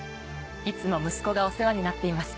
いつも息子がお世話になっています。